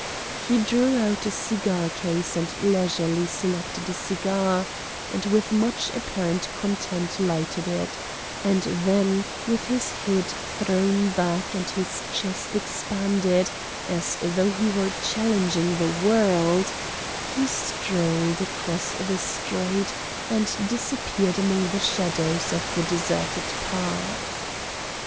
He drew out a cigar case and leisurely selected a cigar, and with much apparent content lighted it, and then, with his head, thrown back and his chest expanded, as though he were challenging the world, he strolled across the street and disappeared among the shadows of the deserted park.